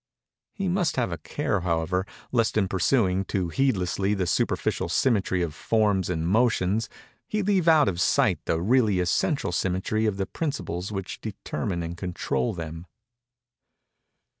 He must have a care, however, lest, in pursuing too heedlessly the superficial symmetry of forms and motions, he leave out of sight the really essential symmetry of the principles which determine and control them.